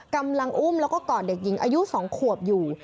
กำลังอุ้มแล้วก็กอดเด็กหญิงอายุ๒ขวบอยู่